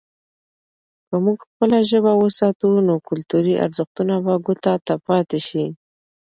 که موږ خپله ژبه وساتو، نو کلتوري ارزښتونه به ګوته ته پاتې سي.